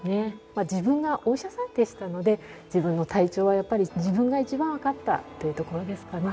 自分がお医者さんでしたので自分の体調はやっぱり自分が一番わかったというところですかね。